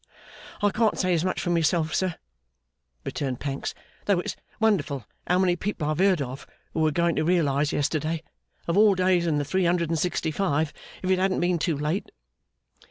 'I can't say as much for myself, sir,' returned Pancks. 'Though it's wonderful how many people I've heard of, who were going to realise yesterday, of all days in the three hundred and sixty five, if it hadn't been too late!